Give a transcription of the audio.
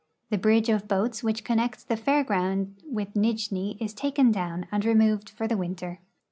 The bridge of boats which connects the fair ground with Nijni is taken down and removed for the winter.